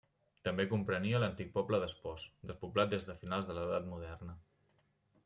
També comprenia l'antic poble d'Espós, despoblat des de finals de l'Edat moderna.